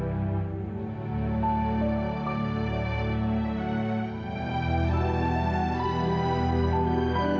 ke si corners dokumenter urus hartkat